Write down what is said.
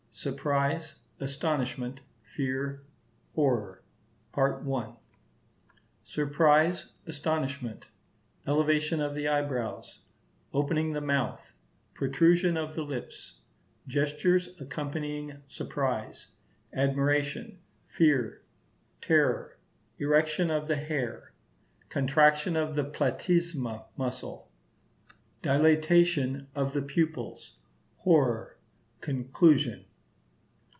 SURPRISE—ASTONISHMENT—FEAR—HORROR. Surprise, astonishment—Elevation of the eyebrows—Opening the mouth—Protrusion of the lips—Gestures accompanying surprise—Admiration—Fear—Terror—Erection of the hair—Contraction of the platysma muscle—Dilatation of the pupils—Horror—Conclusion.